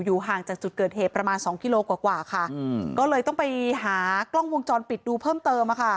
ห่างจากจุดเกิดเหตุประมาณสองกิโลกว่าค่ะก็เลยต้องไปหากล้องวงจรปิดดูเพิ่มเติม